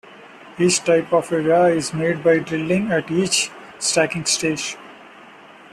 Each type of via is made by drilling at each stacking stage.